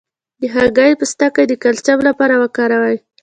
د هګۍ پوستکی د کلسیم لپاره وکاروئ